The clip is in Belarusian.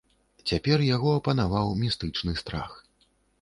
Цяпер яго апанаваў містычны страх.